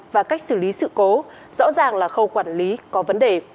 và cách xử lý sự cố rõ ràng là khâu quản lý có vấn đề